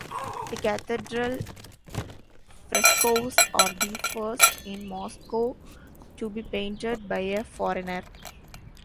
The cathedral frescoes are the first in Moscow to be painted by a foreigner.